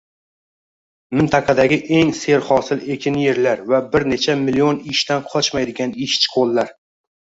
Mintaqadagi eng serhosil ekin yerlar va bir necha million ishdan qochmaydigan ishchi qo‘llar.